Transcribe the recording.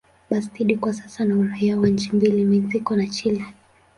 Bastida kwa sasa ana uraia wa nchi mbili, Mexico na Chile.